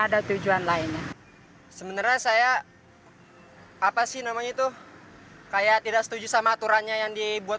ada tujuan lainnya sebenarnya saya apa sih namanya itu kayak tidak setuju sama aturannya yang dibuat